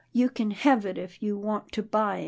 You kin hev it if you want to buy any thin'.'